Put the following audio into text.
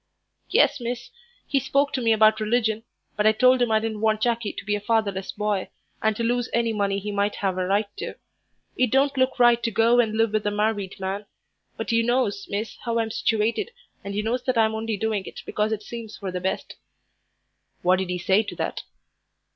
"Yes, miss; he spoke to me about religion, but I told him I didn't want Jackie to be a fatherless boy, and to lose any money he might have a right to. It don't look right to go and live with a married man; but you knows, miss, how I'm situated, and you knows that I'm only doing it because it seems for the best." "What did he say to that?"